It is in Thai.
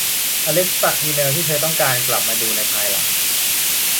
อลิซปักอีเมล์ที่เธอต้องการกลับมาดูในภายหลัง